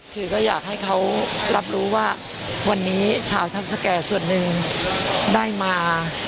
คือก็อยากให้เขารับรู้ว่าวันนี้ชาวทัพสแก่ส่วนหนึ่งได้มา